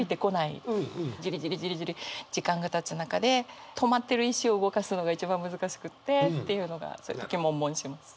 ジリジリジリジリ時間がたつ中で止まってる石を動かすのが一番難しくってっていうのがそういう時悶悶します。